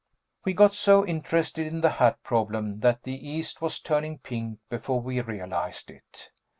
We got so interested in the hat problem that the east was turning pink before we realized it.